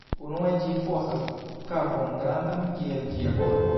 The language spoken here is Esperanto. Unue ĝi fosas kavon grandan kiel ĝia korpo.